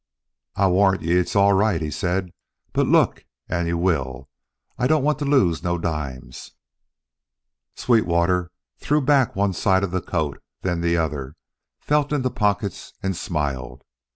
"I warrant ye it's all right," he said. "But look, an ye will. I don't want to lose no dimes." Sweetwater threw back one side of the coat, then the other, felt in the pockets and smiled.